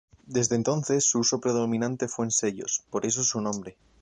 Desde entonces, su uso predominante fue en sellos, por eso su nombre.